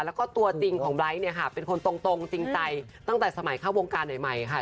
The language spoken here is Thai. แล้วก็ตัวจริงของไลท์เนี่ยค่ะเป็นคนตรงจริงใจตั้งแต่สมัยเข้าวงการใหม่ค่ะ